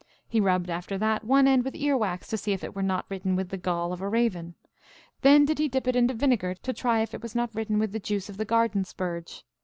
He rubbed, after that, one end with ear wax, to see if it were not written with the gall of a raven. Then did he dip it into vinegar, to try if it was not written with the juice of the garden spurge.